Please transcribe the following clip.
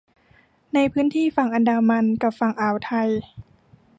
ในพื้นที่ฝั่งอันดามันกับฝั่งอ่าวไทย